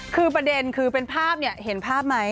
คือประเด็นคือเป็นภาพเนี่ยเห็นภาพไหม